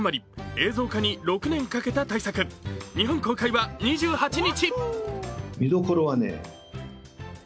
映像化に６年かけた大作日本公開は２８日。